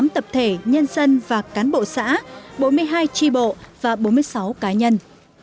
tập thể nhân dân và cán bộ xã bốn mươi hai tri bộ và bốn mươi sáu cá nhân